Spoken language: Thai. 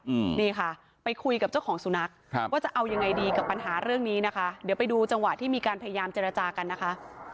อืมนี่ค่ะไปคุยกับเจ้าของสุนัขครับว่าจะเอายังไงดีกับปัญหาเรื่องนี้นะคะเดี๋ยวไปดูจังหวะที่มีการพยายามเจรจากันนะคะ